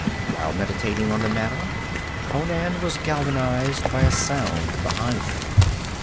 While meditating on the matter, Conan was galvanized by a sound behind him.